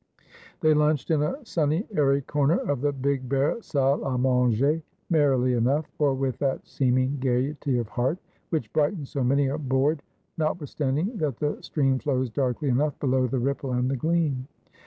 They lunched in a sunny airy corner of the big bare salle d manger merrily enough, or with that seeming gaiety of heart which brightens so many a board, notwithstanding that the stream flows darkly enough below the ripple and the gleam.